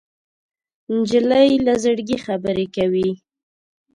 نجلۍ له زړګي خبرې کوي.